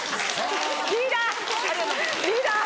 リーダー！